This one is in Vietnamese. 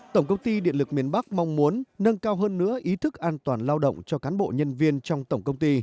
tổng công ty điện lực miền bắc mong muốn nâng cao hơn nữa ý thức an toàn lao động cho cán bộ nhân viên trong tổng công ty